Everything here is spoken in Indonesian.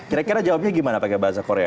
kira kira jawabnya gimana pakai bahasa korea